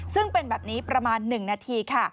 ซึ่งเป็นแบบนี้ประมาณ๑นาทีค่ะ